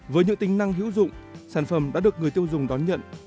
với những tính năng hữu dụng sản phẩm đã được người tiêu dùng đón nhận